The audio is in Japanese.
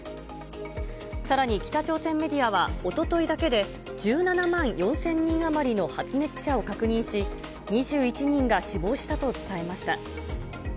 さらに北朝鮮メディアは、おとといだけで１７万４０００人余りの発熱者を確認し、２１人が死亡したと伝えました。